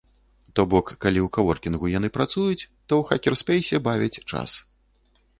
То бок, калі ў каворкінгу яны працуюць, то ў хакерспэйсе бавяць час.